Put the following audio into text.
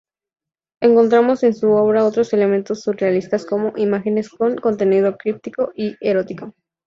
Encontramos en su obra otros elementos surrealistas como imágenes con contenido críptico y erótico.